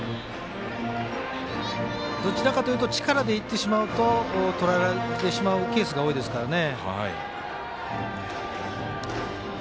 どちらかというと力で、いってしまうととらえられてしまうケースが多いですからね。